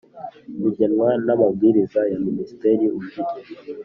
bugenwa n Amabwiriza ya Minisitiri ufite